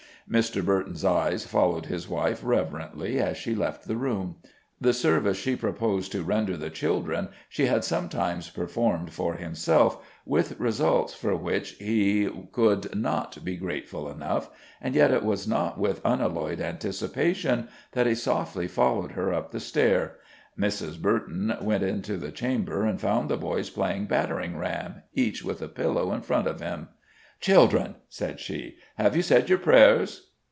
Mr. Burton's eyes followed his wife reverently as she left the room. The service she proposed to render the children she had sometimes performed for himself, with results for which he could not be grateful enough, and yet it was not with unalloyed anticipation that he softly followed her up the stair. Mrs. Burton went into the chamber and found the boys playing battering ram, each with a pillow in front of him. "Children," said she, "have you said your prayers?"